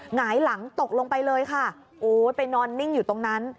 หงายหลังตกลงไปเลยค่ะโอ้ยไปนอนนิ่งอยู่ตรงนั้น